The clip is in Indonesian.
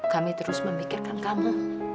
kami terus memikirkan kamu